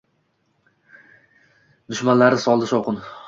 Dushmanlari soldi shovqin